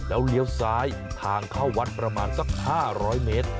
แล้วเลี้ยวซ้ายทางเข้าวัดประมาณสัก๕๐๐เมตร